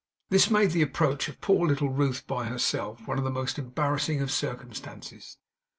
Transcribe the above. This made the approach of poor little Ruth, by herself, one of the most embarrassing of circumstances.